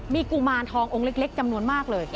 มีกุมารทององค์เล็กจำนวนมากเลย